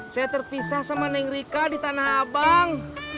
saya terpisah sama neng rika di tanah abang